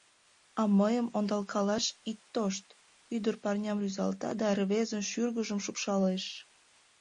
— А мыйым ондалкалаш ит тошт! — ӱдыр парням рӱзалта да рвезын шӱргыжым шупшалеш.